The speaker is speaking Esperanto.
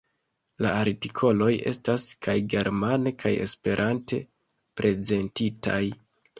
La artikoloj estas kaj germane kaj Esperante prezentitaj.